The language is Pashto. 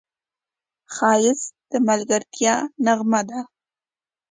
ښایست د ملګرتیا نغمه ده